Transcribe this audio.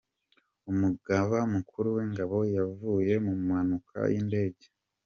Umugaba mukuru w’ingabo yaguye mu mpanuka y’indege